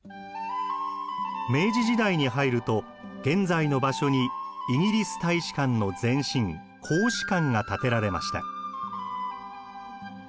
明治時代に入ると現在の場所にイギリス大使館の前身公使館が建てられました。